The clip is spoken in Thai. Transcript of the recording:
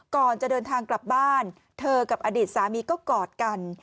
ก่อนจะเดินทางกลับบ้านเธอกับอดีตสามีก็กอดกัน